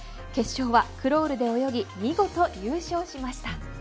決勝は、クロールで泳ぎ見事、優勝しました。